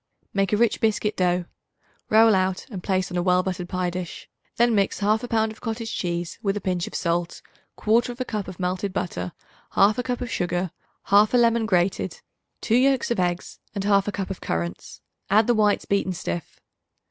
Make a rich biscuit dough; roll out and place on a well buttered pie dish. Then mix 1/2 pound of cottage cheese with a pinch of salt, 1/4 cup of melted butter, 1/2 cup of sugar, 1/2 lemon grated, 2 yolks of eggs and 1/2 cup of currants; add the whites beaten stiff.